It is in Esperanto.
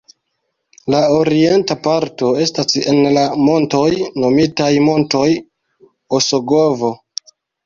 La orienta parto estas en la montoj nomitaj Montoj Osogovo.